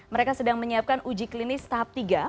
mereka sedang menyiapkan uji klinis tahap tiga